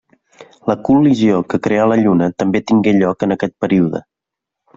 La col·lisió que creà la Lluna també tingué lloc en aquest període.